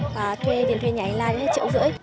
và thuê nháy là hết triệu rưỡi